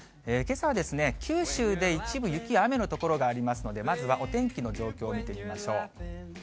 けさは九州で一部、雪や雨の所がありますので、まずはお天気の状況を見てみましょう。